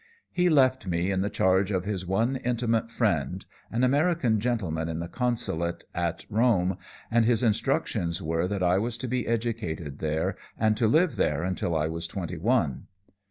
He left me in the charge of his one intimate friend, an American gentleman in the consulate at Rome, and his instructions were that I was to be educated there and to live there until I was twenty one.